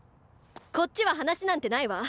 こっちは話なんてないわ。